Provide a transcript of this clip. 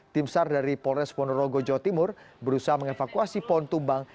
tim sar dari polres ponorogo jawa timur berusaha mengevakuasi pohon tumbang